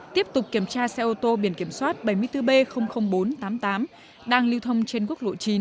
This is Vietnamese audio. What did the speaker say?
tiếp tục kiểm tra xe ô tô biển kiểm soát bảy mươi bốn b bốn trăm tám mươi tám đang lưu thông trên quốc lộ chín